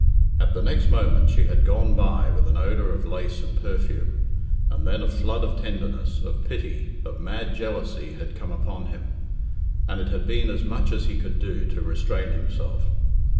At the next moment she had gone by with an odour of lace and perfume; and then a flood of tenderness, of pity, of mad jealousy had come upon him, and it had been as much as he could do to restrain himself.